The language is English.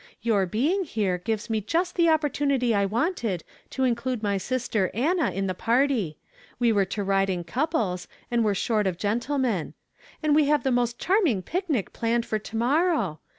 Your being here gives me just the opportunity I wanted to include my sister Anna in the party ; we were to ride in couples, and were short of gentlemen. And we have the most charming pic nic planned for to morrow